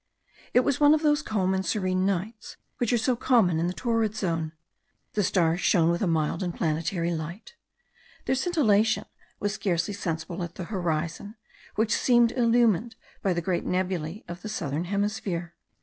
It was one of those calm and serene nights which are so common in the torrid zone. The stars shone with a mild and planetary light. Their scintillation was scarcely sensible at the horizon, which seemed illumined by the great nebulae of the southern hemisphere.